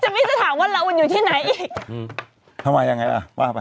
จะมีท่าถามว่าละอุ่นอยู่ที่ไหนอีกอืมทำไมยังไงล่ะวางไป